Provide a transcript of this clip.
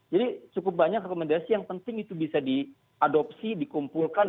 cukup banyak rekomendasi yang penting itu bisa diadopsi dikumpulkan